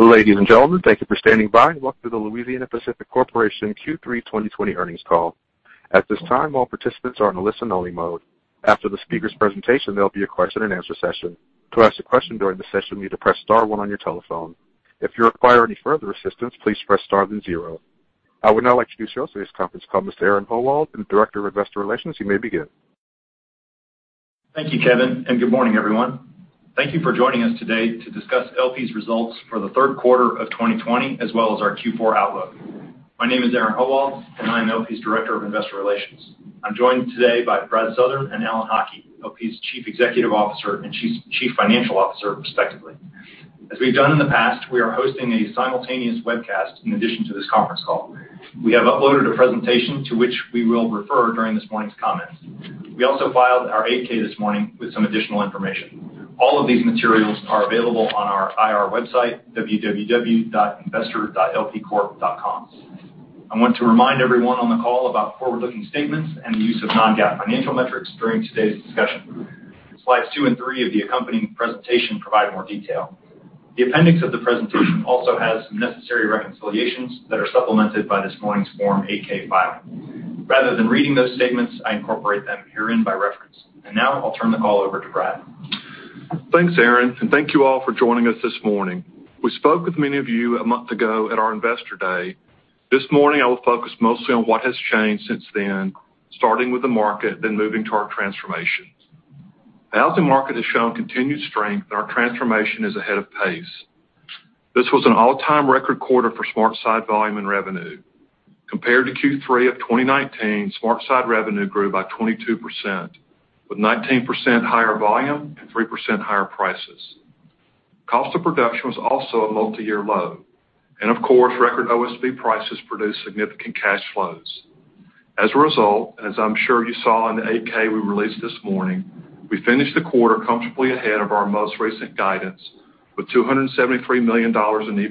Ladies and gentlemen, thank you for standing by and welcome to the Louisiana-Pacific Corporation Q3 2020 earnings call. At this time, all participants are in a listen-only mode. After the speaker's presentation, there will be a question-and-answer session. To ask a question during the session, you need to press star one on your telephone. If you require any further assistance, please press star then zero. I would now like to introduce yourself to this conference call. Mr. Aaron Howald, the Director of Investor Relations, you may begin. Thank you, Kevin, and good morning, everyone. Thank you for joining us today to discuss LP's results for the third quarter of 2020, as well as our Q4 outlook. My name is Aaron Howald, and I am LP's Director of Investor Relations. I'm joined today by Brad Southern and Alan Haughie, LP's Chief Executive Officer and Chief Financial Officer, respectively. As we've done in the past, we are hosting a simultaneous webcast in addition to this conference call. We have uploaded a presentation to which we will refer during this morning's comments. We also filed our 8-K this morning with some additional information. All of these materials are available on our IR website, www.investor.lpcorp.com. I want to remind everyone on the call about forward-looking statements and the use of non-GAAP financial metrics during today's discussion. Slides two and three of the accompanying presentation provide more detail. The appendix of the presentation also has some necessary reconciliations that are supplemented by this morning's Form 8-K file. Rather than reading those statements, I incorporate them herein by reference. And now, I'll turn the call over to Brad. Thanks, Aaron, and thank you all for joining us this morning. We spoke with many of you a month ago at our Investor Day. This morning, I will focus mostly on what has changed since then, starting with the market, then moving to our transformation. The housing market has shown continued strength, and our transformation is ahead of pace. This was an all-time record quarter for SmartSide volume and revenue. Compared to Q3 of 2019, SmartSide revenue grew by 22%, with 19% higher volume and 3% higher prices. Cost of production was also a multi-year low, and of course, record OSB prices produced significant cash flows. As a result, and as I'm sure you saw in the 8-K we released this morning, we finished the quarter comfortably ahead of our most recent guidance, with $273 million in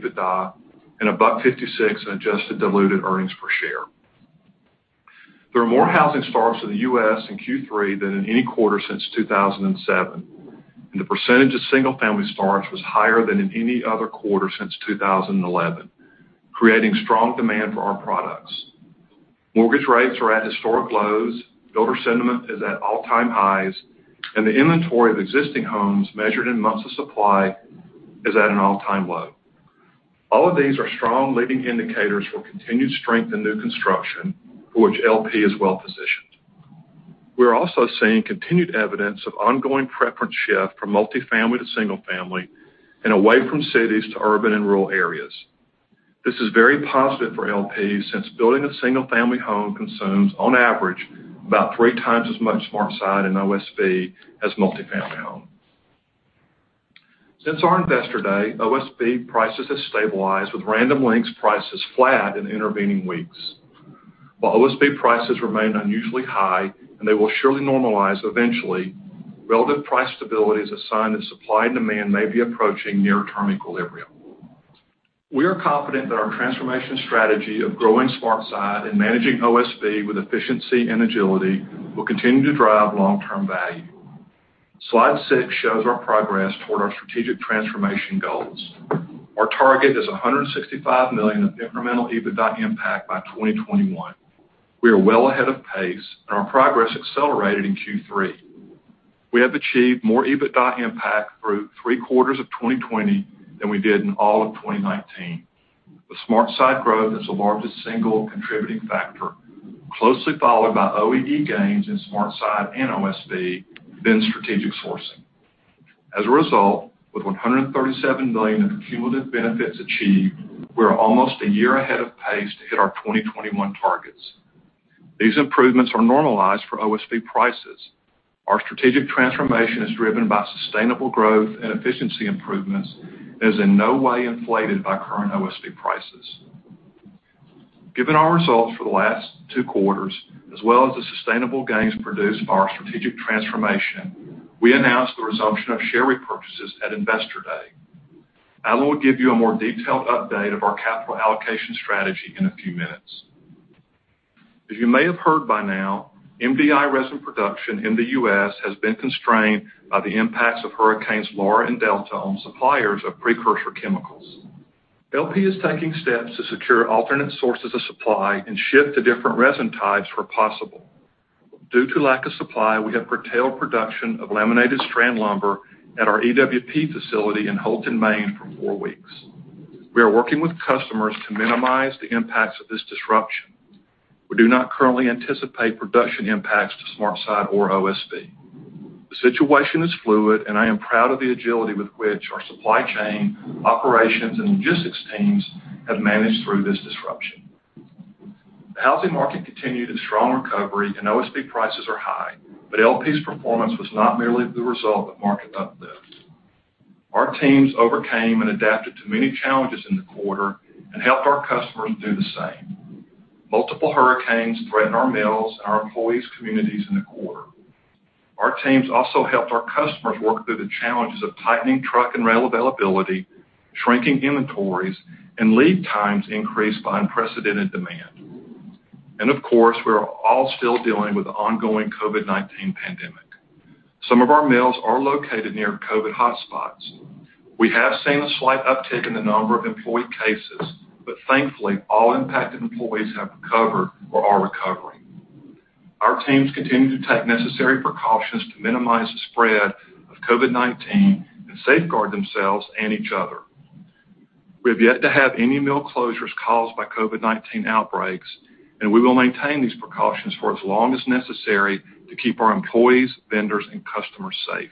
EBITDA and $1.56 in adjusted diluted earnings per share. There are more housing starts in the U.S. in Q3 than in any quarter since 2007, and the percentage of single-family starts was higher than in any other quarter since 2011, creating strong demand for our products. Mortgage rates are at historic lows, builder sentiment is at all-time highs, and the inventory of existing homes measured in months of supply is at an all-time low. All of these are strong leading indicators for continued strength in new construction, for which LP is well positioned. We are also seeing continued evidence of ongoing preference shift from multifamily to single-family and away from cities to urban and rural areas. This is very positive for LP since building a single-family home consumes, on average, about three times as much SmartSide in OSB as a multifamily home. Since our Investor Day, OSB prices have stabilized, with Random Lengths prices flat in intervening weeks. While OSB prices remain unusually high, and they will surely normalize eventually, relative price stability is a sign that supply and demand may be approaching near-term equilibrium. We are confident that our transformation strategy of growing SmartSide and managing OSB with efficiency and agility will continue to drive long-term value. Slide six shows our progress toward our strategic transformation goals. Our target is $165 million of incremental EBITDA impact by 2021. We are well ahead of pace, and our progress accelerated in Q3. We have achieved more EBITDA impact through three quarters of 2020 than we did in all of 2019, with SmartSide growth as the largest single contributing factor, closely followed by OEE gains in SmartSide and OSB, then strategic sourcing. As a result, with $137 million of cumulative benefits achieved, we are almost a year ahead of pace to hit our 2021 targets. These improvements are normalized for OSB prices. Our strategic transformation is driven by sustainable growth and efficiency improvements and is in no way inflated by current OSB prices. Given our results for the last two quarters, as well as the sustainable gains produced by our strategic transformation, we announced the resumption of share repurchases at Investor Day. Alan will give you a more detailed update of our capital allocation strategy in a few minutes. As you may have heard by now, MDI resin production in the U.S. has been constrained by the impacts of Hurricanes Laura and Delta on suppliers of precursor chemicals. LP is taking steps to secure alternate sources of supply and shift to different resin types where possible. Due to lack of supply, we have curtailed production of laminated strand lumber at our EWP facility in Houlton, Maine, for four weeks. We are working with customers to minimize the impacts of this disruption. We do not currently anticipate production impacts to SmartSide or OSB. The situation is fluid, and I am proud of the agility with which our supply chain, operations, and logistics teams have managed through this disruption. The housing market continued its strong recovery, and OSB prices are high, but LP's performance was not merely the result of market uplift. Our teams overcame and adapted to many challenges in the quarter and helped our customers do the same. Multiple hurricanes threatened our mills and our employees' communities in the quarter. Our teams also helped our customers work through the challenges of tightening truck and rail availability, shrinking inventories, and lead times increased by unprecedented demand. And of course, we are all still dealing with the ongoing COVID-19 pandemic. Some of our mills are located near COVID hotspots. We have seen a slight uptick in the number of employee cases, but thankfully, all impacted employees have recovered or are recovering. Our teams continue to take necessary precautions to minimize the spread of COVID-19 and safeguard themselves and each other. We have yet to have any mill closures caused by COVID-19 outbreaks, and we will maintain these precautions for as long as necessary to keep our employees, vendors, and customers safe.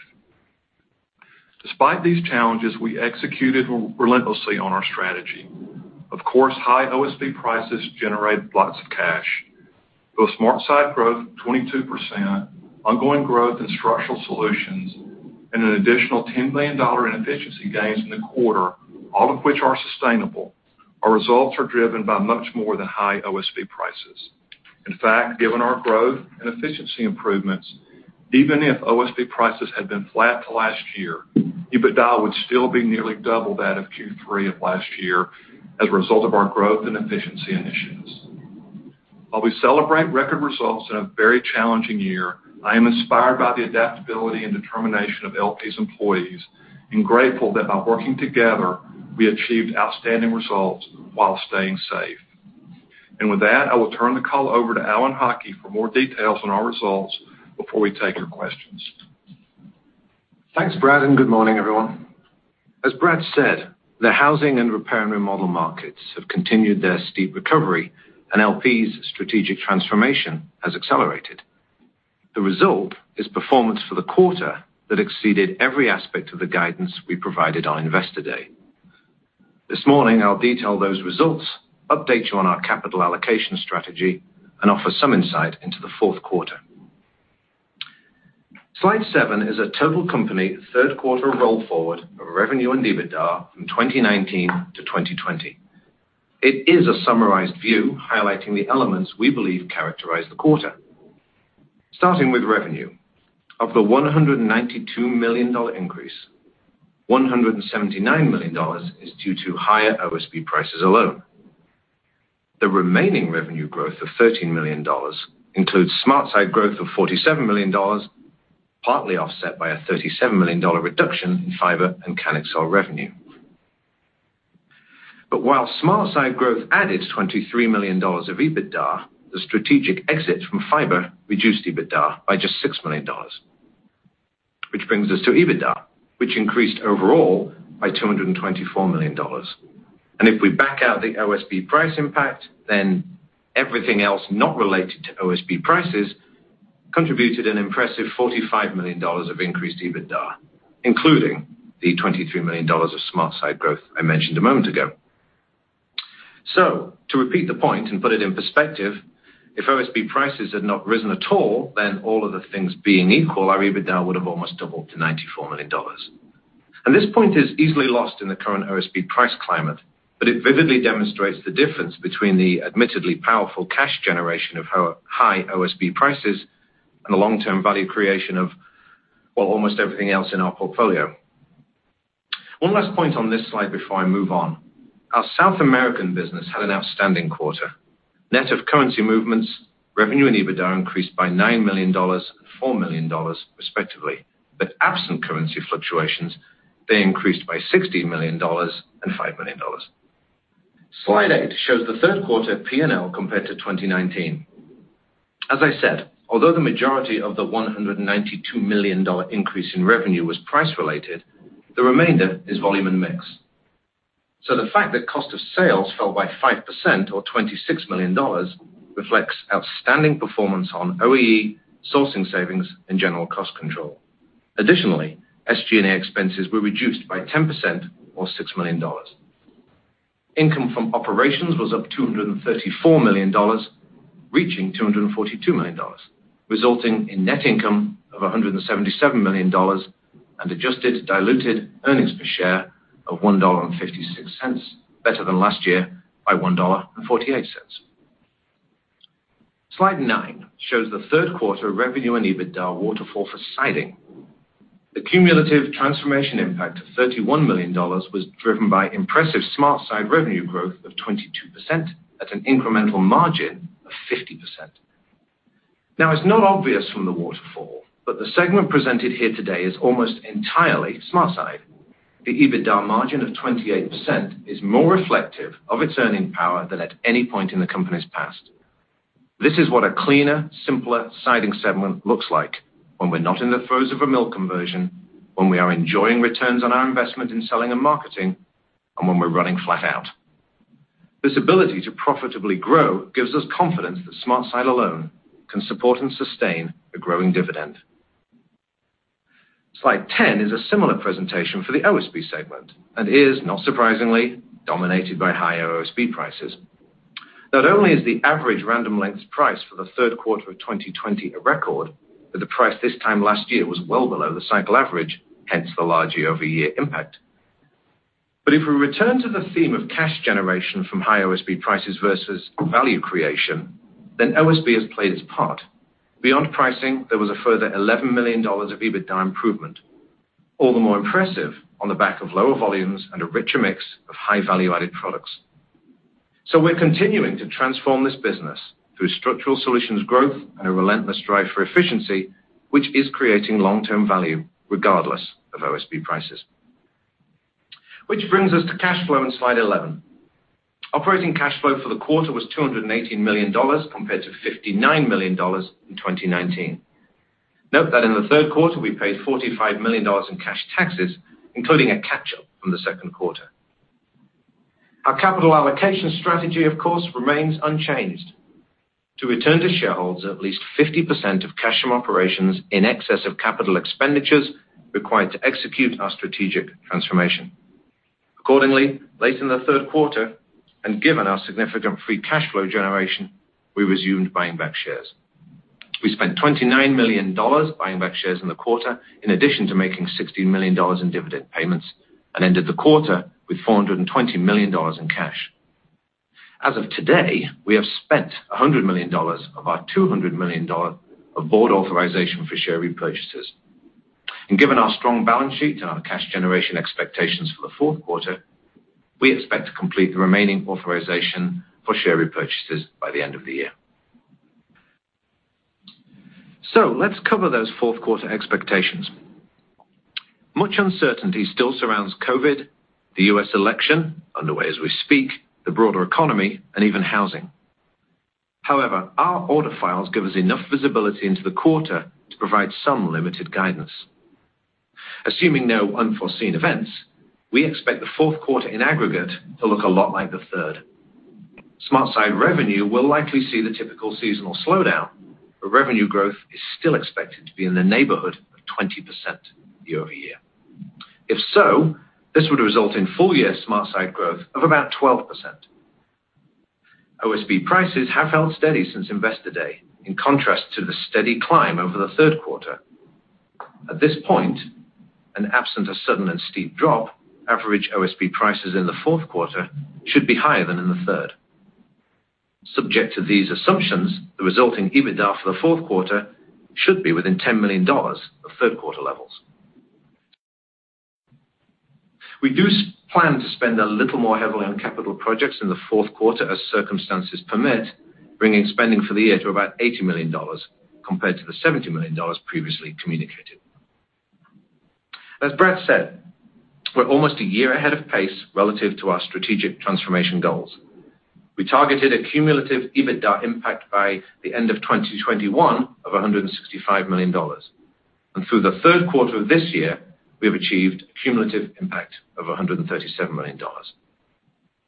Despite these challenges, we executed relentlessly on our strategy. Of course, high OSB prices generate lots of cash. With SmartSide growth of 22%, ongoing growth in Structural Solutions, and an additional $10 million in efficiency gains in the quarter, all of which are sustainable, our results are driven by much more than high OSB prices. In fact, given our growth and efficiency improvements, even if OSB prices had been flat to last year, EBITDA would still be nearly double that of Q3 of last year as a result of our growth and efficiency initiatives. While we celebrate record results in a very challenging year, I am inspired by the adaptability and determination of LP's employees and grateful that by working together, we achieved outstanding results while staying safe. And with that, I will turn the call over to Alan Haughie for more details on our results before we take your questions. Thanks, Brad, and good morning, everyone. As Brad said, the housing and repair and remodel markets have continued their steep recovery, and LP's strategic transformation has accelerated. The result is performance for the quarter that exceeded every aspect of the guidance we provided on Investor Day. This morning, I'll detail those results, update you on our capital allocation strategy, and offer some insight into the fourth quarter. Slide seven is a total company third-quarter roll forward of revenue and EBITDA from 2019 to 2020. It is a summarized view highlighting the elements we believe characterize the quarter. Starting with revenue, of the $192 million increase, $179 million is due to higher OSB prices alone. The remaining revenue growth of $13 million includes SmartSide growth of $47 million, partly offset by a $37 million reduction in fiber and CanExel revenue. But while SmartSide growth added $23 million of EBITDA, the strategic exit from fiber reduced EBITDA by just $6 million, which brings us to EBITDA, which increased overall by $224 million. And if we back out the OSB price impact, then everything else not related to OSB prices contributed an impressive $45 million of increased EBITDA, including the $23 million of SmartSide growth I mentioned a moment ago. So, to repeat the point and put it in perspective, if OSB prices had not risen at all, then all of the things being equal, our EBITDA would have almost doubled to $94 million. And this point is easily lost in the current OSB price climate, but it vividly demonstrates the difference between the admittedly powerful cash generation of high OSB prices and the long-term value creation of, well, almost everything else in our portfolio. One last point on this slide before I move on. Our South American business had an outstanding quarter. Net of currency movements, revenue and EBITDA increased by $9 million and $4 million, respectively, but absent currency fluctuations, they increased by $16 million and $5 million. Slide eight shows the third quarter P&L compared to 2019. As I said, although the majority of the $192 million increase in revenue was price-related, the remainder is volume and mix. So the fact that cost of sales fell by 5% or $26 million reflects outstanding performance on OEE, sourcing savings, and general cost control. Additionally, SG&A expenses were reduced by 10% or $6 million. Income from operations was up $234 million, reaching $242 million, resulting in net income of $177 million and adjusted diluted earnings per share of $1.56, better than last year by $1.48. Slide nine shows the third quarter revenue and EBITDA waterfall for siding. The cumulative transformation impact of $31 million was driven by impressive SmartSide revenue growth of 22% at an incremental margin of 50%. Now, it's not obvious from the waterfall, but the segment presented here today is almost entirely SmartSide. The EBITDA margin of 28% is more reflective of its earning power than at any point in the company's past. This is what a cleaner, simpler siding segment looks like when we're not in the throes of a mill conversion, when we are enjoying returns on our investment in selling and marketing, and when we're running flat out. This ability to profitably grow gives us confidence that SmartSide alone can support and sustain a growing dividend. Slide 10 is a similar presentation for the OSB segment and is, not surprisingly, dominated by higher OSB prices. Not only is the average Random Lengths price for the third quarter of 2020 a record, but the price this time last year was well below the cycle average, hence the larger year-over-year impact, but if we return to the theme of cash generation from high OSB prices versus value creation, then OSB has played its part. Beyond pricing, there was a further $11 million of EBITDA improvement, all the more impressive on the back of lower volumes and a richer mix of high-value-added products, so we're continuing to transform this business through Structural Solutions growth and a relentless drive for efficiency, which is creating long-term value regardless of OSB prices. Which brings us to cash flow in slide 11. Operating cash flow for the quarter was $218 million compared to $59 million in 2019. Note that in the third quarter, we paid $45 million in cash taxes, including a catch-up from the second quarter. Our capital allocation strategy, of course, remains unchanged. To return to shareholders, at least 50% of cash from operations in excess of capital expenditures required to execute our strategic transformation. Accordingly, late in the third quarter, and given our significant free cash flow generation, we resumed buying back shares. We spent $29 million buying back shares in the quarter in addition to making $16 million in dividend payments and ended the quarter with $420 million in cash. As of today, we have spent $100 million of our $200 million of board authorization for share repurchases, and given our strong balance sheet and our cash generation expectations for the fourth quarter, we expect to complete the remaining authorization for share repurchases by the end of the year. So let's cover those fourth quarter expectations. Much uncertainty still surrounds COVID, the U.S. election underway as we speak, the broader economy, and even housing. However, our order files give us enough visibility into the quarter to provide some limited guidance. Assuming no unforeseen events, we expect the fourth quarter in aggregate to look a lot like the third. SmartSide revenue will likely see the typical seasonal slowdown, but revenue growth is still expected to be in the neighborhood of 20% year-over-year. If so, this would result in full-year SmartSide growth of about 12%. OSB prices have held steady since Investor Day, in contrast to the steady climb over the third quarter. At this point, absent a sudden and steep drop, average OSB prices in the fourth quarter should be higher than in the third. Subject to these assumptions, the resulting EBITDA for the fourth quarter should be within $10 million of third-quarter levels. We do plan to spend a little more heavily on capital projects in the fourth quarter as circumstances permit, bringing spending for the year to about $80 million compared to the $70 million previously communicated. As Brad said, we're almost a year ahead of pace relative to our strategic transformation goals. We targeted a cumulative EBITDA impact by the end of 2021 of $165 million. And through the third quarter of this year, we have achieved a cumulative impact of $137 million.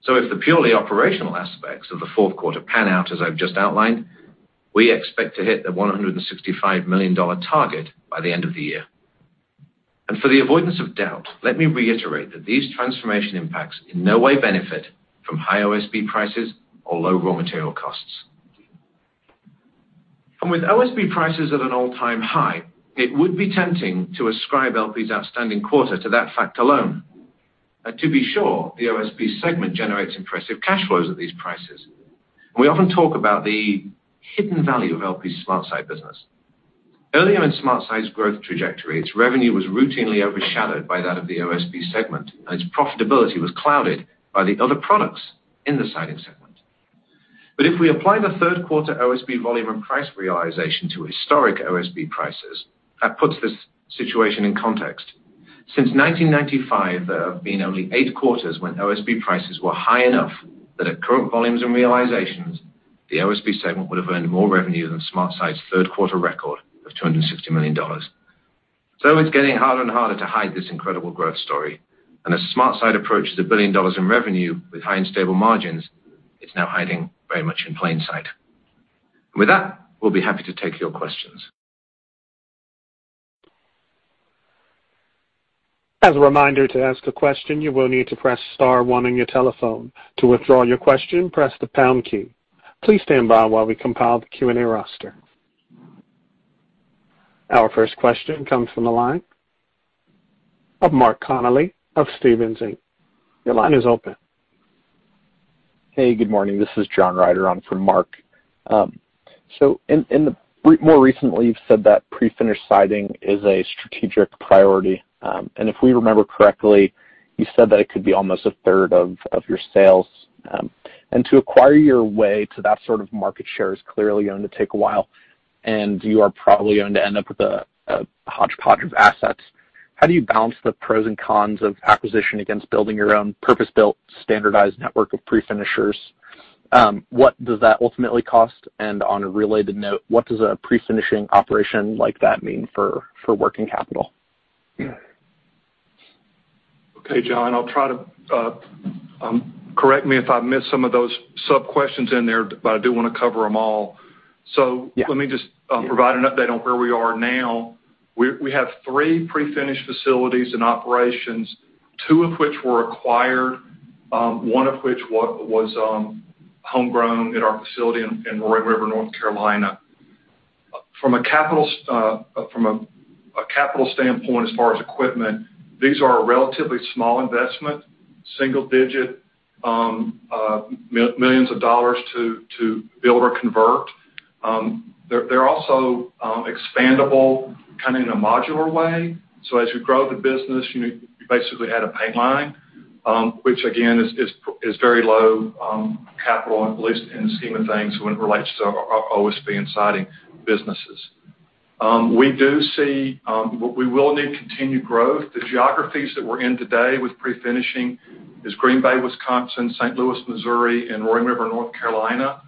So if the purely operational aspects of the fourth quarter pan out, as I've just outlined, we expect to hit the $165 million target by the end of the year. For the avoidance of doubt, let me reiterate that these transformation impacts in no way benefit from high OSB prices or low raw material costs. With OSB prices at an all-time high, it would be tempting to ascribe LP's outstanding quarter to that fact alone. To be sure, the OSB segment generates impressive cash flows at these prices. We often talk about the hidden value of LP's SmartSide business. Earlier in SmartSide's growth trajectory, its revenue was routinely overshadowed by that of the OSB segment, and its profitability was clouded by the other products in the siding segment. If we apply the third quarter OSB volume and price realization to historic OSB prices, that puts this situation in context. Since 1995, there have been only eight quarters when OSB prices were high enough that at current volumes and realizations, the OSB segment would have earned more revenue than SmartSide's third-quarter record of $260 million. So it's getting harder and harder to hide this incredible growth story. And as SmartSide approaches $1 billion in revenue with high and stable margins, it's now hiding very much in plain sight. And with that, we'll be happy to take your questions. As a reminder to ask a question, you will need to press star one on your telephone. To withdraw your question, press the pound key. Please stand by while we compile the Q&A roster. Our first question comes from the line of Mark Connelly of Stephens Inc. Your line is open. Hey, good morning. This is John Rider on for Mark. So more recently, you've said that pre-finished siding is a strategic priority. And if we remember correctly, you said that it could be almost a third of your sales. And to acquire your way to that sort of market share is clearly going to take a while, and you are probably going to end up with a hodgepodge of assets. How do you balance the pros and cons of acquisition against building your own purpose-built standardized network of pre-finishers? What does that ultimately cost? And on a related note, what does a pre-finishing operation like that mean for working capital? Okay, John, I'll try to, correct me if I missed some of those sub-questions in there, but I do want to cover them all. So let me just provide an update on where we are now. We have three pre-finished facilities and operations, two of which were acquired, one of which was homegrown at our facility in Roaring River, North Carolina. From a capital standpoint, as far as equipment, these are a relatively small investment, single-digit millions of dollars to build or convert. They're also expandable kind of in a modular way. So, as you grow the business, you basically add a paint line, which again is very low capital, at least in the scheme of things when it relates to OSB and siding businesses. We do see we will need continued growth. The geographies that we're in today with pre-finishing is Green Bay, Wisconsin, St. Louis, Missouri, and Roaring River, North Carolina.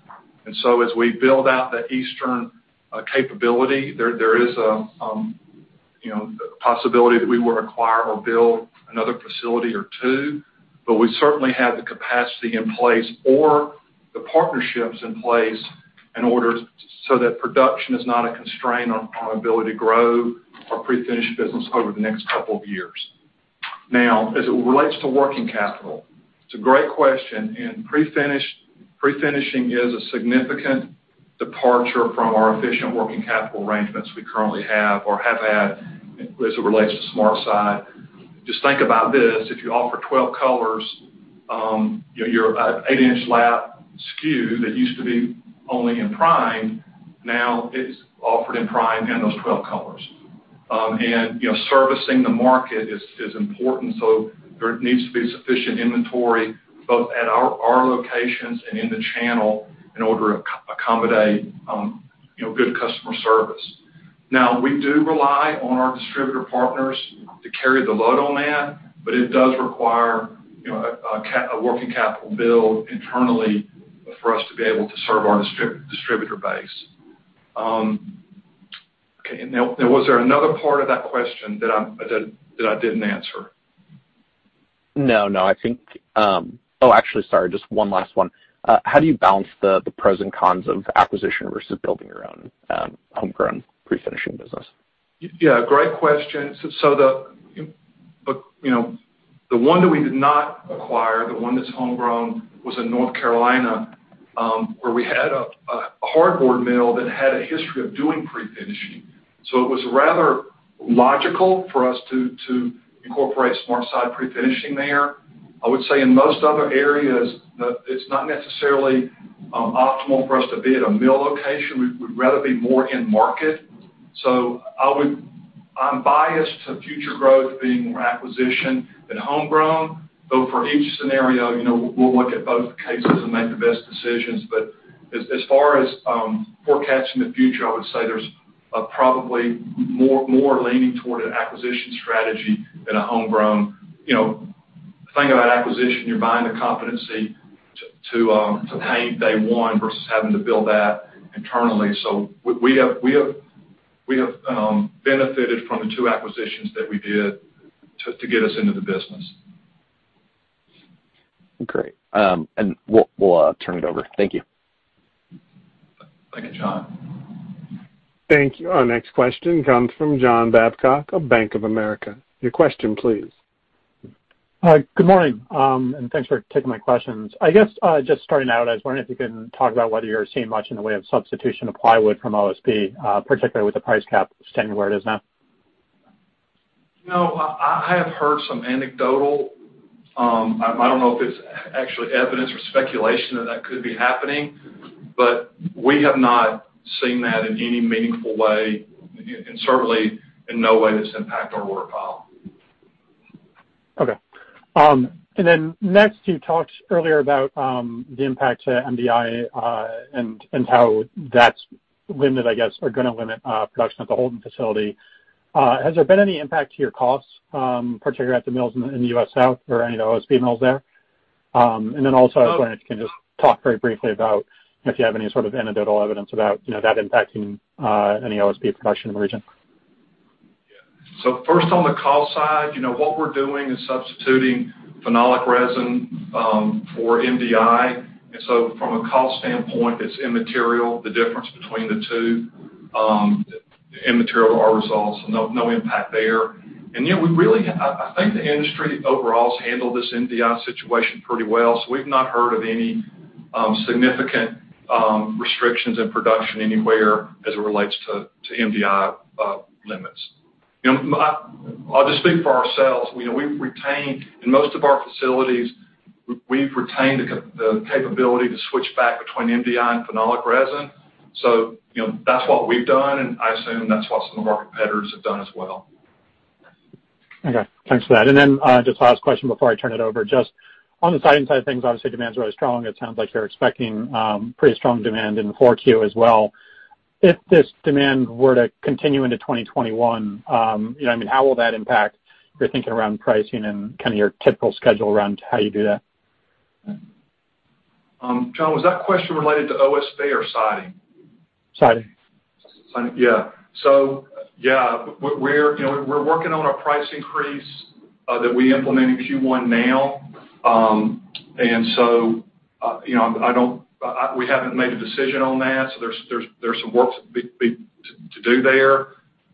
And so as we build out the eastern capability, there is a possibility that we will acquire or build another facility or two. But we certainly have the capacity in place or the partnerships in place in order so that production is not a constraint on our ability to grow our pre-finished business over the next couple of years. Now, as it relates to working capital, it's a great question. And pre-finishing is a significant departure from our efficient working capital arrangements we currently have or have had as it relates to SmartSide. Just think about this. If you offer 12 colors, your eight-inch lap SKU that used to be only in prime, now it's offered in prime and those 12 colors. And servicing the market is important. So there needs to be sufficient inventory both at our locations and in the channel in order to accommodate good customer service. Now, we do rely on our distributor partners to carry the load on that, but it does require a working capital build internally for us to be able to serve our distributor base. Okay. Now, was there another part of that question that I didn't answer? No, no. I think, oh, actually, sorry, just one last one. How do you balance the pros and cons of acquisition versus building your own homegrown pre-finishing business? Yeah, great question. So the one that we did not acquire, the one that's homegrown, was in North Carolina where we had a hardboard mill that had a history of doing pre-finishing. So it was rather logical for us to incorporate SmartSide pre-finishing there. I would say in most other areas, it's not necessarily optimal for us to be at a mill location. We'd rather be more in market. So I'm biased to future growth being more acquisition than homegrown. Though for each scenario, we'll look at both cases and make the best decisions. But as far as forecasting the future, I would say there's probably more leaning toward an acquisition strategy than a homegrown. The thing about acquisition, you're buying the competency to pay day one versus having to build that internally. We have benefited from the two acquisitions that we did to get us into the business. Great. And we'll turn it over. Thank you. Thank you, John. Thank you. Our next question comes from John Babcock of Bank of America. Your question, please. Good morning, and thanks for taking my questions. I guess just starting out, I was wondering if you can talk about whether you're seeing much in the way of substitution of plywood from OSB, particularly with the price cap standing where it is now? I have heard some anecdotal. I don't know if it's actually evidence or speculation that that could be happening, but we have not seen that in any meaningful way, and certainly in no way that's impacted our order file. Okay. And then next, you talked earlier about the impact to MDI and how that's limited, I guess, or going to limit production at the Houlton facility. Has there been any impact to your costs, particularly at the mills in the US South or any of the OSB mills there? And then also, I was wondering if you can just talk very briefly about if you have any sort of anecdotal evidence about that impacting any OSB production in the region. So first, on the cost side, what we're doing is substituting phenolic resin for MDI. And so from a cost standpoint, it's immaterial, the difference between the two. Immaterial. Our results, no impact there. And yeah, I think the industry overall has handled this MDI situation pretty well. So we've not heard of any significant restrictions in production anywhere as it relates to MDI limits. I'll just speak for ourselves. In most of our facilities, we've retained the capability to switch back between MDI and phenolic resin. So that's what we've done, and I assume that's what some of our competitors have done as well. Okay. Thanks for that. And then just last question before I turn it over. Just on the siding side of things, obviously, demand's really strong. It sounds like you're expecting pretty strong demand in the 4Q as well. If this demand were to continue into 2021, I mean, how will that impact your thinking around pricing and kind of your typical schedule around how you do that? John, was that question related to OSB or siding? Siding. Siding, yeah. So yeah, we're working on a price increase that we implement in Q1 now. And so we haven't made a decision on that. So there's some work to do there.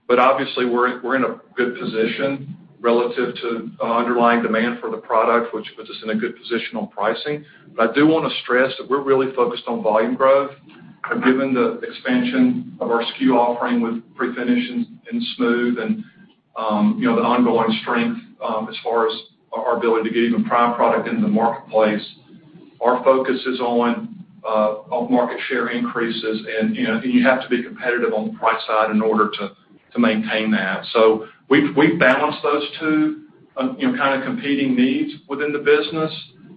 But obviously, we're in a good position relative to underlying demand for the product, which puts us in a good position on pricing. But I do want to stress that we're really focused on volume growth. And given the expansion of our SKU offering with pre-finish and smooth and the ongoing strength as far as our ability to get even prime product into the marketplace, our focus is on market share increases, and you have to be competitive on the price side in order to maintain that. So we balance those two kind of competing needs within the business.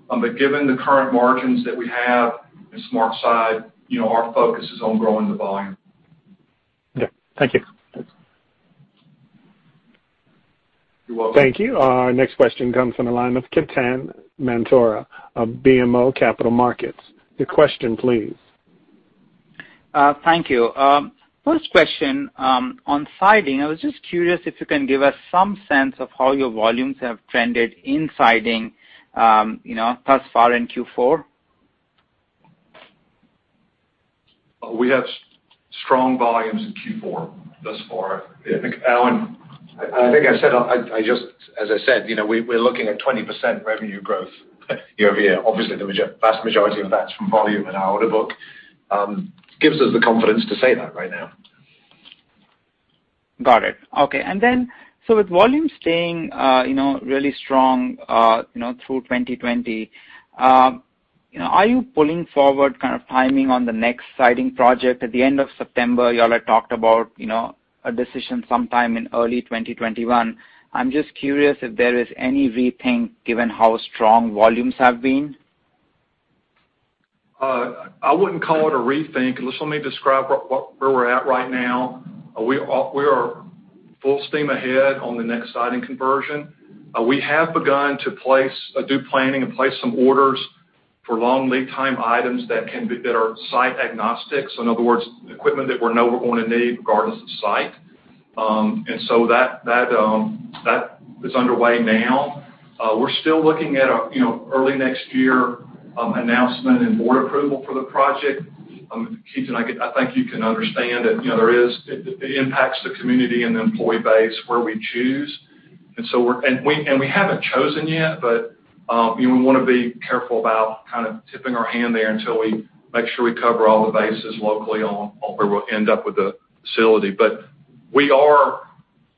But given the current margins that we have in SmartSide, our focus is on growing the volume. Yeah. Thank you. You're welcome. Thank you. Our next question comes from the line of Ketan Mamtora of BMO Capital Markets. Your question, please. Thank you. First question. On siding, I was just curious if you can give us some sense of how your volumes have trended in siding thus far in Q4. We have strong volumes in Q4 thus far, Aaron? And I think I said, as I said, we're looking at 20% revenue growth. Obviously, the vast majority of that's from volume in our order book. It gives us the confidence to say that right now. Got it. Okay. And then, on with volume staying really strong through 2020, are you pulling forward kind of timing on the next siding project? At the end of September, you all had talked about a decision sometime in early 2021. I'm just curious if there is any rethink given how strong volumes have been. I wouldn't call it a rethink. Just let me describe where we're at right now. We are full steam ahead on the next siding conversion. We have begun to do planning and place some orders for long lead time items that are site-agnostic. So in other words, equipment that we know we're going to need regardless of site. And so that is underway now. We're still looking at an early next year announcement and board approval for the project. Ketan, I think you can understand that it impacts the community and the employee base where we choose. And we haven't chosen yet, but we want to be careful about kind of tipping our hand there until we make sure we cover all the bases locally on where we'll end up with the facility. But we are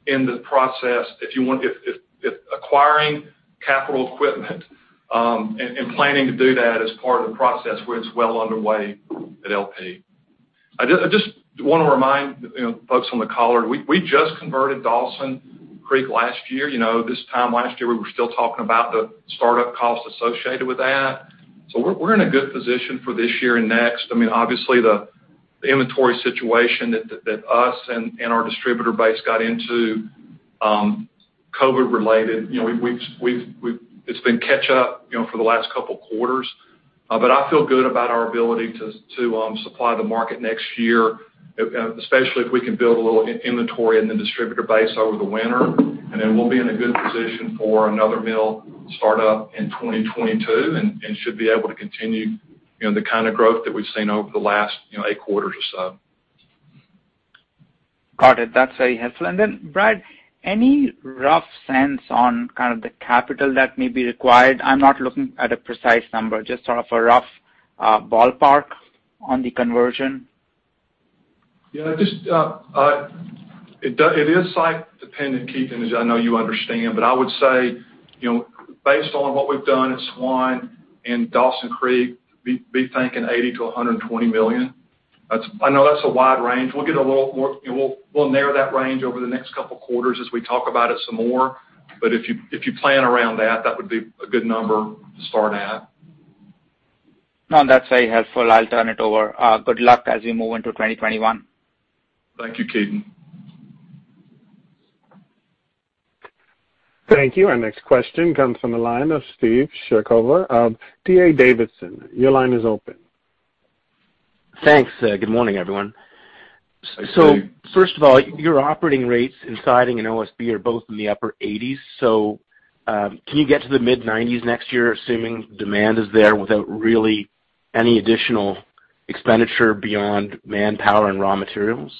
in the process, if you want, of acquiring capital equipment and planning to do that as part of the process where it's well underway at LP. I just want to remind the folks on the call; we just converted Dawson Creek last year. This time last year, we were still talking about the startup cost associated with that. So we're in a good position for this year and next. I mean, obviously, the inventory situation that us and our distributor base got into, COVID-related, it's been catch-up for the last couple of quarters. But I feel good about our ability to supply the market next year, especially if we can build a little inventory in the distributor base over the winter. And then we'll be in a good position for another mill startup in 2022 and should be able to continue the kind of growth that we've seen over the last eight quarters or so. Got it. That's very helpful. And then, Brad, any rough sense on kind of the capital that may be required? I'm not looking at a precise number, just sort of a rough ballpark on the conversion. Yeah. It is site-dependent, Ketan, as I know you understand. But I would say, based on what we've done at Swan Valley and Dawson Creek, be thinking $80 million-$120 million. I know that's a wide range. We'll get a little more, we'll narrow that range over the next couple of quarters as we talk about it some more. But if you plan around that, that would be a good number to start at. No, that's very helpful. I'll turn it over. Good luck as we move into 2021. Thank you, Ketan. Thank you. Our next question comes from the line of Steve Chercover. D.A. Davidson, your line is open. Thanks. Good morning, everyone. So first of all, your operating rates in siding and OSB are both in the upper 80s. So, can you get to the mid-90s next year, assuming demand is there without really any additional expenditure beyond manpower and raw materials?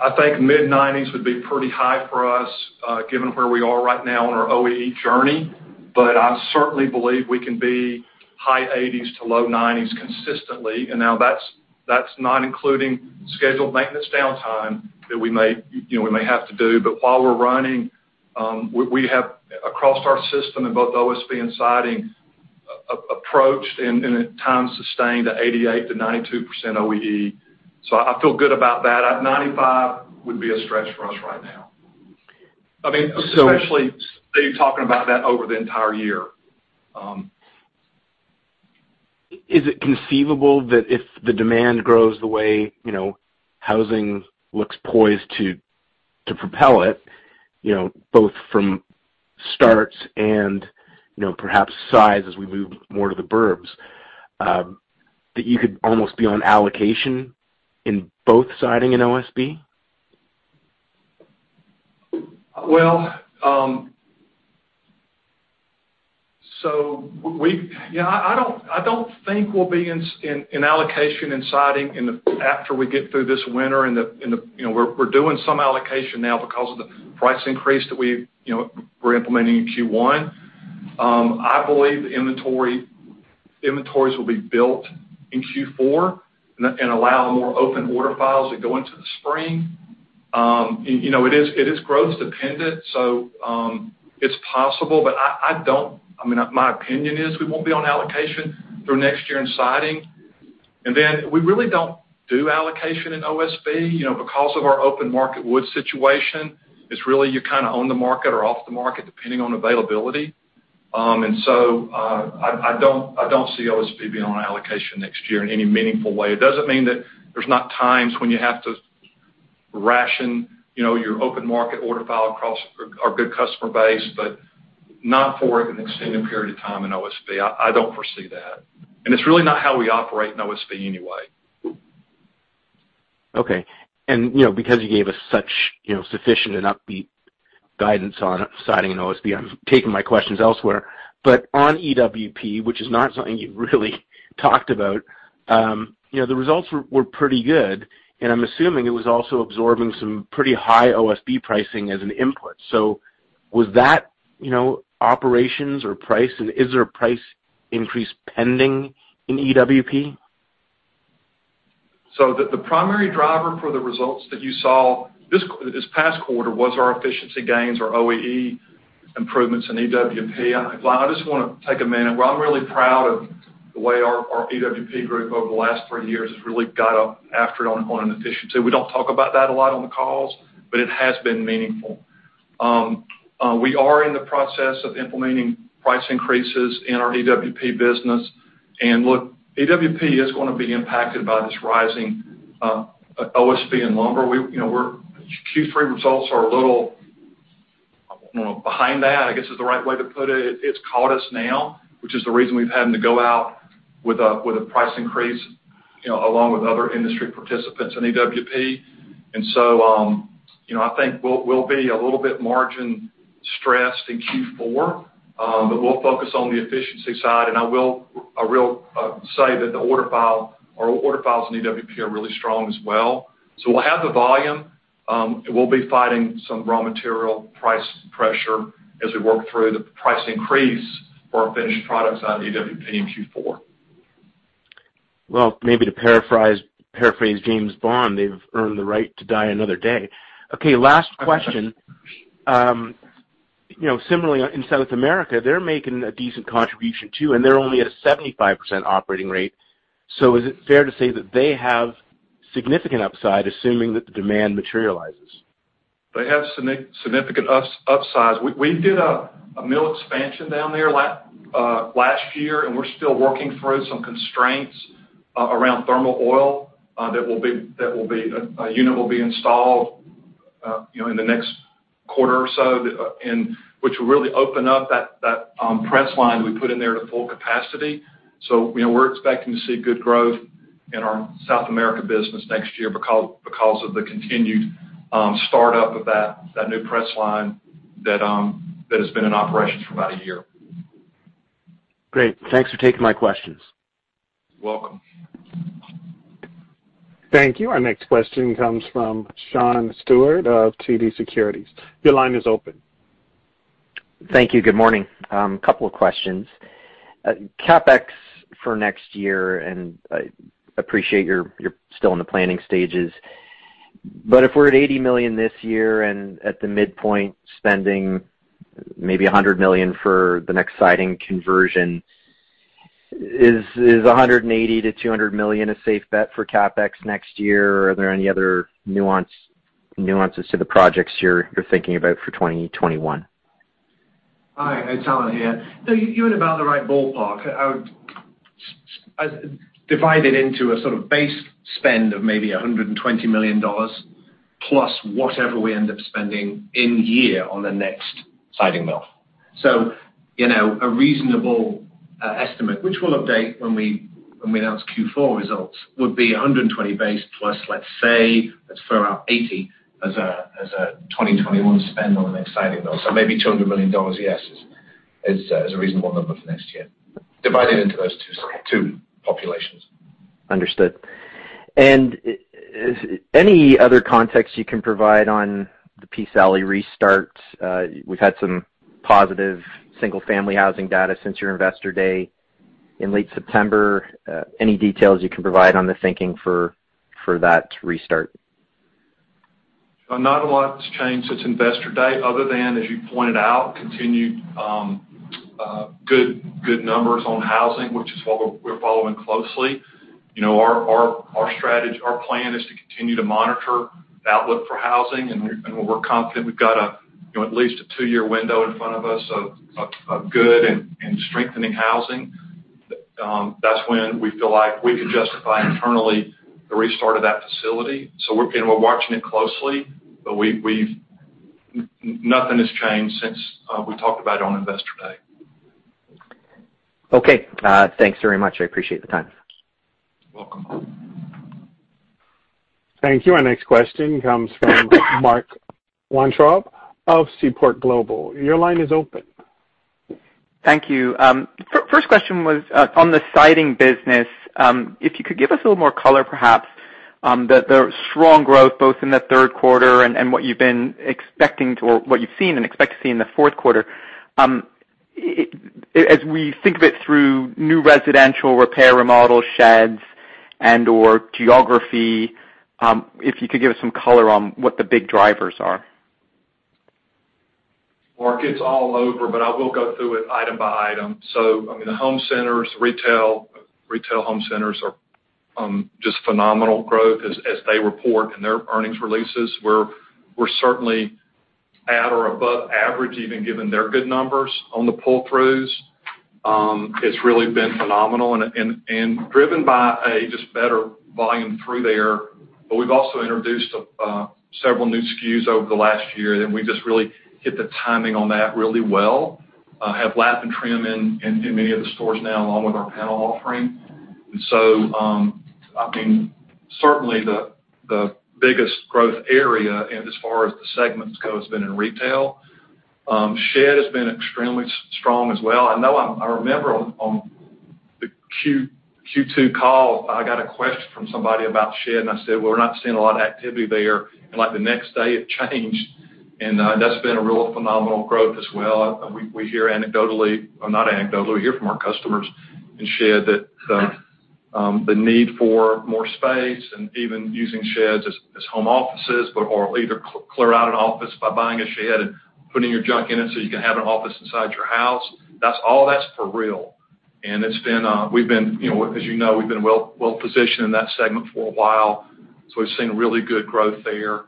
I think mid-90s would be pretty high for us, given where we are right now on our OEE journey. I certainly believe we can be high 80s to low 90s consistently. Now, that's not including scheduled maintenance downtime that we may have to do. While we're running, we have, across our system in both OSB and siding, approached and at times sustained 88%-92% OEE. I feel good about that. 95 would be a stretch for us right now. I mean, especially you're talking about that over the entire year. Is it conceivable that if the demand grows the way housing looks poised to propel it, both from starts and perhaps size as we move more to the burbs, that you could almost be on allocation in both siding and OSB? Well, so yeah, I don't think we'll be in allocation in siding after we get through this winter. And we're doing some allocation now because of the price increase that we're implementing in Q1. I believe the inventories will be built in Q4 and allow more open order files that go into the spring. It is growth-dependent, so it's possible. But I mean, my opinion is we won't be on allocation through next year in siding. And then we really don't do allocation in OSB because of our open market wood situation. It's really you kind of own the market or off the market, depending on availability. And so I don't see OSB being on allocation next year in any meaningful way. It doesn't mean that there's not times when you have to ration your open market order file across our good customer base, but not for an extended period of time in OSB. I don't foresee that. And it's really not how we operate in OSB anyway. Okay. And because you gave us such sufficient and upbeat guidance on siding and OSB, I'm taking my questions elsewhere. But on EWP, which is not something you've really talked about, the results were pretty good. And I'm assuming it was also absorbing some pretty high OSB pricing as an input. So was that operations or price? And is there a price increase pending in EWP? The primary driver for the results that you saw this past quarter was our efficiency gains or OEE improvements in EWP. I just want to take a minute. I'm really proud of the way our EWP group over the last three years has really gotten after it on efficiency. We don't talk about that a lot on the calls, but it has been meaningful. We are in the process of implementing price increases in our EWP business. Look, EWP is going to be impacted by this rising OSB and lumber. Q3 results are a little, I don't know, behind that, I guess is the right way to put it. It's caught us now, which is the reason we've had to go out with a price increase along with other industry participants in EWP. And so I think we'll be a little bit margin stressed in Q4, but we'll focus on the efficiency side. And I will say that the order files in EWP are really strong as well. So we'll have the volume. We'll be fighting some raw material price pressure as we work through the price increase for our finished products out of EWP in Q4. Maybe to paraphrase James Bond, they've earned the right to die another day. Okay. Last question. Similarly, in South America, they're making a decent contribution too, and they're only at a 75% operating rate. So is it fair to say that they have significant upside, assuming that the demand materializes? They have significant upside. We did a mill expansion down there last year, and we're still working through some constraints around thermal oil unit that will be installed in the next quarter or so, which will really open up that press line we put in there to full capacity, so we're expecting to see good growth in our South America business next year because of the continued startup of that new press line that has been in operation for about a year. Great. Thanks for taking my questions. You're welcome. Thank you. Our next question comes from Sean Steuart of TD Securities. Your line is open. Thank you. Good morning. A couple of questions. CapEx for next year, and I appreciate you're still in the planning stages. But if we're at $80 million this year and at the midpoint spending maybe $100 million for the next siding conversion, is $180 million-$200 million a safe bet for CapEx next year? Or are there any other nuances to the projects you're thinking about for 2021? Hi. It's Alan here. No, you're in about the right ballpark. I divide it into a sort of base spend of maybe $120 million plus whatever we end up spending in year on the next siding mill. So a reasonable estimate, which we'll update when we announce Q4 results, would be $120 million base plus, let's say, let's throw out $80 million as a 2021 spend on the next siding mill. So maybe $200 million, yes, is a reasonable number for next year, divided into those two populations. Understood. And any other context you can provide on the Peace Valley restart? We've had some positive single-family housing data since your investor day in late September. Any details you can provide on the thinking for that restart? Not a lot has changed since investor day other than, as you pointed out, continued good numbers on housing, which is what we're following closely. Our plan is to continue to monitor outlook for housing. And we're confident we've got at least a two-year window in front of us of good and strengthening housing. That's when we feel like we can justify internally the restart of that facility. So we're watching it closely, but nothing has changed since we talked about it on investor day. Okay. Thanks very much. I appreciate the time. You're welcome. Thank you. Our next question comes from Mark Weintraub of Seaport Global. Your line is open. Thank you. First question was on the siding business. If you could give us a little more color, perhaps, the strong growth both in the third quarter and what you've been expecting or what you've seen and expect to see in the fourth quarter. As we think of it through new residential repair remodel sheds and/or geography, if you could give us some color on what the big drivers are. Mark, it's all over, but I will go through it item by item. So I mean, the home centers, retail home centers are just phenomenal growth as they report in their earnings releases. We're certainly at or above average, even given their good numbers on the pull-throughs. It's really been phenomenal and driven by just better volume through there. But we've also introduced several new SKUs over the last year. And we just really hit the timing on that really well, have lap and trim in many of the stores now along with our panel offering. And so I mean, certainly the biggest growth area as far as the segments go has been in retail. Shed has been extremely strong as well. I remember on the Q2 call, I got a question from somebody about shed. I said, "Well, we're not seeing a lot of activity there." The next day, it changed. That's been a real phenomenal growth as well. We hear anecdotally, or not anecdotally, we hear from our customers in the shed market that the need for more space and even using sheds as home offices, but either clear out an office by buying a shed and putting your junk in it so you can have an office inside your house. All that's for real. We've been, as you know, we've been well-positioned in that segment for a while. We've seen really good growth there.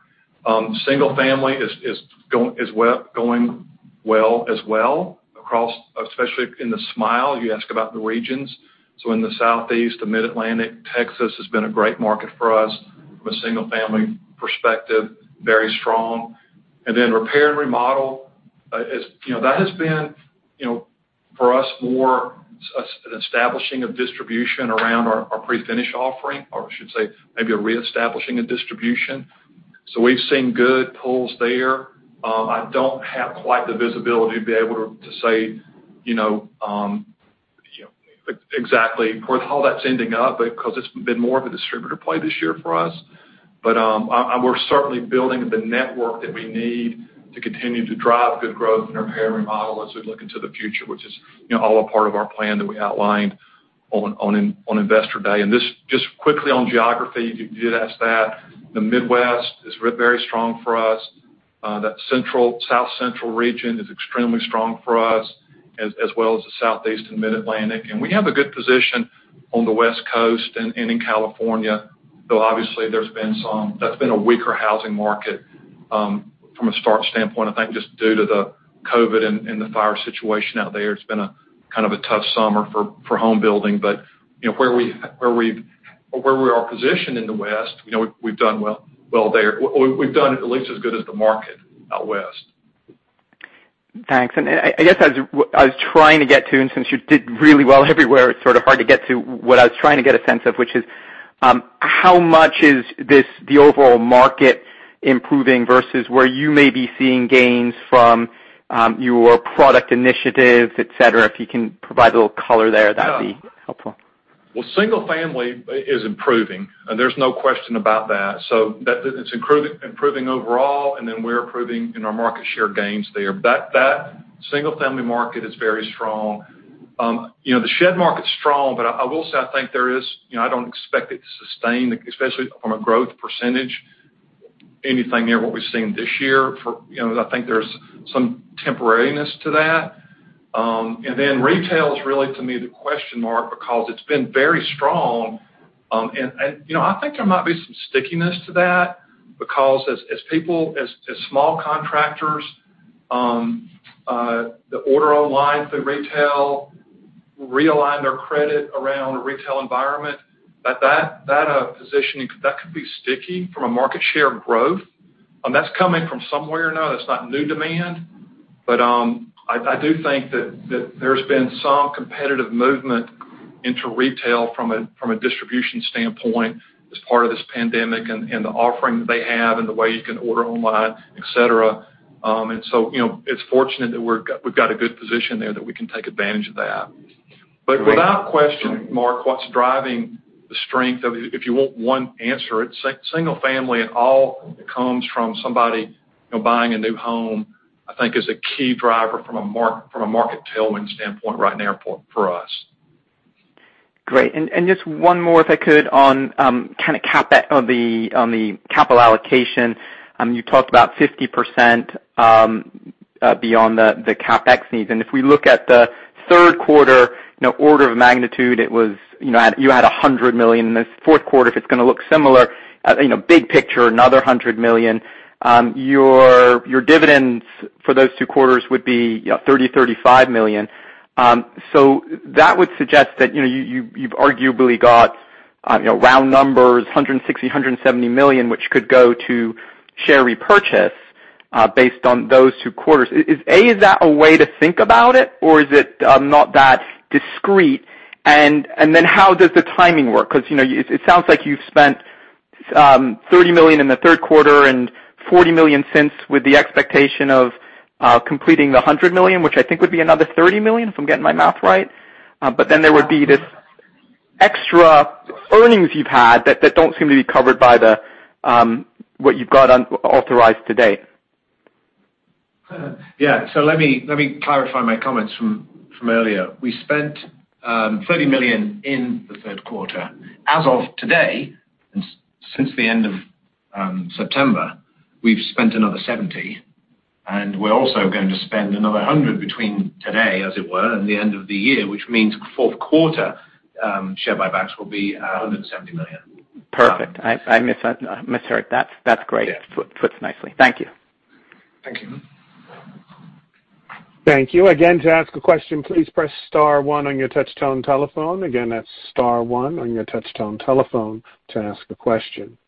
Single-family is going well as well, especially in the Sunbelt. You ask about the regions. In the Southeast, the Mid-Atlantic, Texas has been a great market for us from a single-family perspective, very strong. And then repair and remodel, that has been for us more an establishing of distribution around our pre-finished offering, or I should say maybe a re-establishing of distribution. So we've seen good pulls there. I don't have quite the visibility to be able to say exactly how that's ending up because it's been more of a distributor play this year for us. But we're certainly building the network that we need to continue to drive good growth in repair and remodel as we look into the future, which is all a part of our plan that we outlined on investor day. And just quickly on geography, you did ask that. The Midwest is very strong for us. That South Central region is extremely strong for us, as well as the Southeast and Mid-Atlantic. We have a good position on the West Coast and in California, though obviously there's been some that's been a weaker housing market from a starts standpoint, I think, just due to the COVID and the fire situation out there. It's been a kind of a tough summer for home building. Where we are positioned in the West, we've done well there. We've done at least as good as the market out West. Thanks. And I guess I was trying to get to, and since you did really well everywhere, it's sort of hard to get to what I was trying to get a sense of, which is how much is the overall market improving versus where you may be seeing gains from your product initiatives, etc.? If you can provide a little color there, that'd be helpful. Single-family is improving. There's no question about that. So it's improving overall, and then we're improving in our market share gains there. That single-family market is very strong. The shed market's strong, but I will say I think there is, I don't expect it to sustain, especially from a growth percentage, anything near what we've seen this year. I think there's some temporariness to that. And then retail is really, to me, the question mark because it's been very strong. And I think there might be some stickiness to that because as small contractors, the order online through retail realign their credit around a retail environment, that positioning, that could be sticky from a market share growth. That's coming from somewhere or another. It's not new demand. But I do think that there's been some competitive movement into retail from a distribution standpoint as part of this pandemic and the offering that they have and the way you can order online, etc. And so it's fortunate that we've got a good position there that we can take advantage of that. But without question, Mark, what's driving the strength of, if you want one answer, it's single-family and all that comes from somebody buying a new home, I think, is a key driver from a market tailwind standpoint right now for us. Great, and just one more, if I could, on kind of CapEx or the capital allocation. You talked about 50% beyond the CapEx needs. And if we look at the third quarter, order of magnitude, you had $100 million. And this fourth quarter, if it's going to look similar, big picture, another $100 million, your dividends for those two quarters would be $30 million-$35 million. So that would suggest that you've arguably got round numbers, $160 million-$170 million, which could go to share repurchase based on those two quarters. A, is that a way to think about it, or is it not that discrete? And then how does the timing work? Because it sounds like you've spent $30 million in the third quarter and $40 million since, with the expectation of completing the $100 million, which I think would be another $30 million, if I'm getting my math right. But then there would be this extra earnings you've had that don't seem to be covered by what you've got authorized today. Yeah, so let me clarify my comments from earlier. We spent $30 million in the third quarter. As of today, since the end of September, we've spent another $70 million, and we're also going to spend another $100 million between today, as it were, and the end of the year, which means fourth quarter share buybacks will be $170 million. Perfect. I misheard. That's great. Fits nicely. Thank you. Thank you. Thank you. Again, to ask a question, please press star one on your touch-tone telephone. Again, that's star one on your touch-tone telephone to ask a question.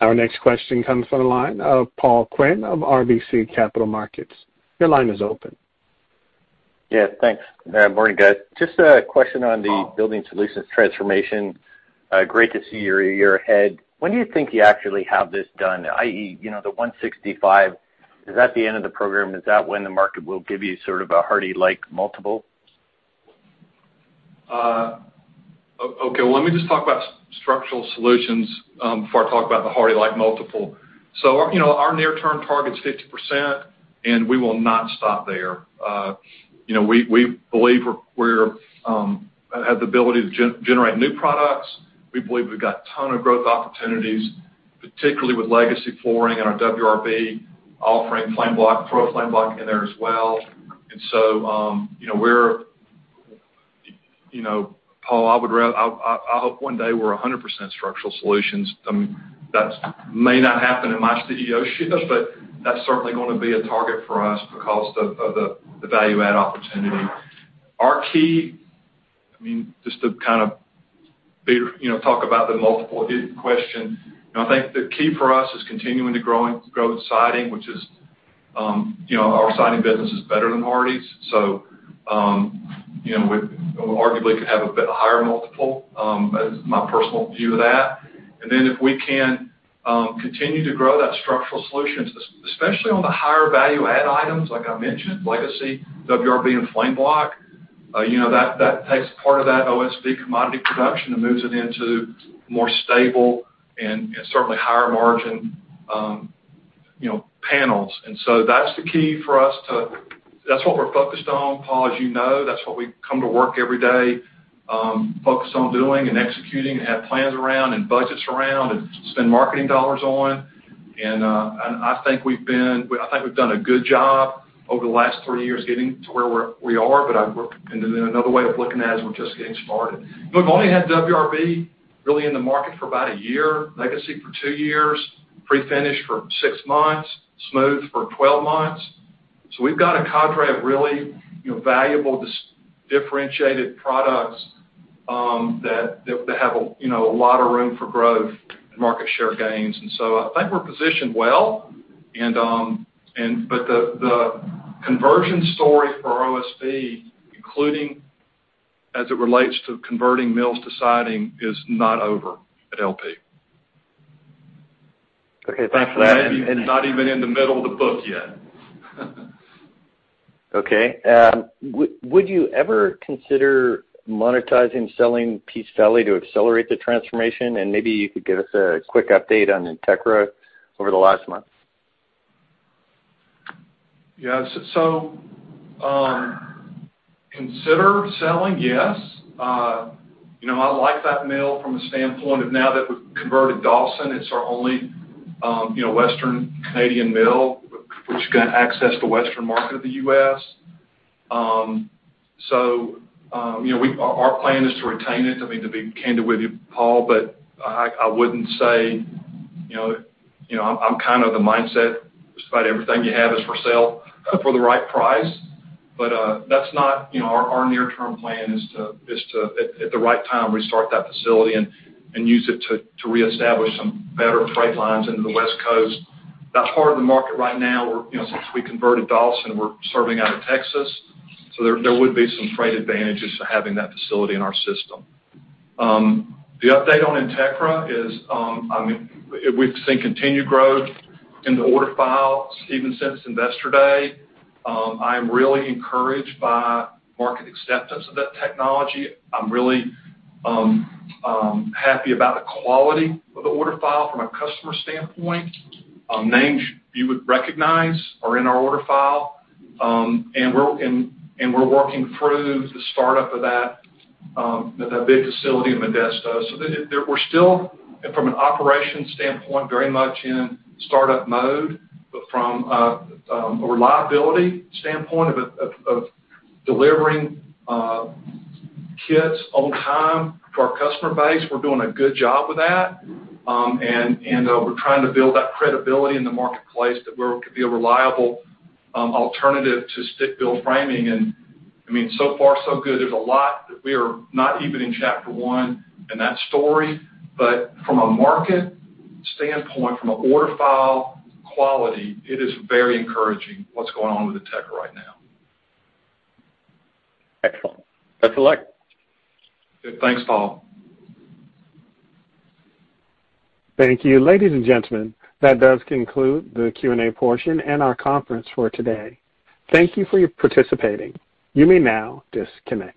Our next question comes from the line of Paul Quinn of RBC Capital Markets. Your line is open. Yeah. Thanks. Morning, guys. Just a question on the building solutions transformation. Great to see you're ahead. When do you think you actually have this done, i.e., the 165? Is that the end of the program? Is that when the market will give you sort of a Hardie-like multiple? Okay. Well, let me just talk about Structural Solutions before I talk about the Hardie-like multiple. Our near-term target is 50%, and we will not stop there. We believe we have the ability to generate new products. We believe we've got a ton of growth opportunities, particularly with Legacy flooring in our WRB offering FlameBlock, throw FlameBlock in there as well. And so, Paul, I hope one day we're 100% Structural Solutions. That may not happen in my CEO tenure, but that's certainly going to be a target for us because of the value-add opportunity. Our key, I mean, just to kind of talk about the multiple question, I think the key for us is continuing to grow siding, which is our siding business is better than Hardie's. So we arguably could have a bit higher multiple is my personal view of that. Then if we can continue to grow that Structural Solutions, especially on the higher value-add items, like I mentioned, Legacy, WRB, and FlameBlock, that takes part of that OSB commodity production and moves it into more stable and certainly higher margin panels. And so that's the key for us, too. That's what we're focused on. Paul, as you know, that's what we come to work every day, focus on doing and executing, and have plans around and budgets around and spend marketing dollars on. And I think we've done a good job over the last three years getting to where we are, but another way of looking at it is we're just getting started. We've only had WRB really in the market for about a year, Legacy for two years, pre-finished for six months, smooth for 12 months. We've got a cadre of really valuable differentiated products that have a lot of room for growth and market share gains. I think we're positioned well. The conversion story for OSB, including as it relates to converting mills to siding, is not over at LP. Okay. Thanks for that. Not even in the middle of the book yet. Okay. Would you ever consider monetizing selling Peace Valley to accelerate the transformation? And maybe you could give us a quick update on Entekra over the last month. Yeah. So consider selling, yes. I like that mill from the standpoint of now that we've converted Dawson. It's our only Western Canadian mill, which is going to access the Western market of the U.S. So our plan is to retain it. I mean, to be candid with you, Paul, but I wouldn't say I'm kind of the mindset just about everything you have is for sale for the right price. But that's not our near-term plan is to, at the right time, restart that facility and use it to reestablish some better freight lines into the West Coast. That's part of the market right now. Since we converted Dawson, we're serving out of Texas. So there would be some freight advantages to having that facility in our system. The update on Entekra is we've seen continued growth in the order file, even since Investor Day. I am really encouraged by market acceptance of that technology. I'm really happy about the quality of the order file from a customer standpoint. Names you would recognize are in our order file. And we're working through the startup of that big facility in Modesto. So we're still, from an operations standpoint, very much in startup mode. But from a reliability standpoint of delivering kits on time to our customer base, we're doing a good job with that. And we're trying to build that credibility in the marketplace that we could be a reliable alternative to stick-built framing. And I mean, so far, so good. There's a lot that we are not even in chapter one in that story. But from a market standpoint, from an order file quality, it is very encouraging what's going on with Entekra right now. Excellent. Excellent. Thanks, Paul. Thank you. Ladies and gentlemen, that does conclude the Q&A portion and our conference for today. Thank you for participating. You may now disconnect.